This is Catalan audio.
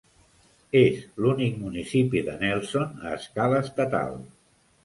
És l'únic municipi de Nelson a escala estatal.